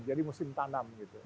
jadi musim tanam gitu